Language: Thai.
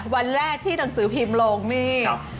วันแรกที่หนังสือพิมพ์ลงนี่